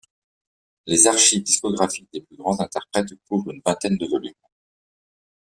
Les archives discographiques des plus grands interprètes couvrent une vingtaine de volumes.